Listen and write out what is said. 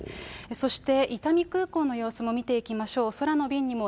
そして伊丹空港の様子も見ていきましょう。